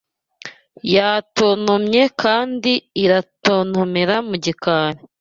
yatontomye kandi iratontomera mu gikari